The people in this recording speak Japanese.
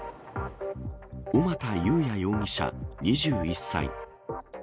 小俣裕哉容疑者２１歳。